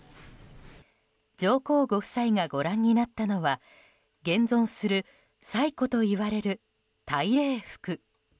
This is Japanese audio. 上皇ご夫妻がご覧になったのは現存する最古といわれる大礼服。